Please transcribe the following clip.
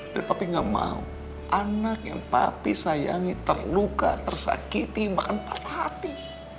dan papi gak mau anak yang papi sayangi terluka tersakiti bahkan patah hati